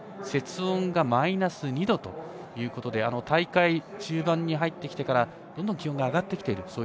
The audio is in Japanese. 雪温がマイナス２度ということで大会中盤に入ってきてからどんどん気温が上がってきている。